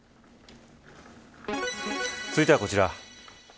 続いてはこちら。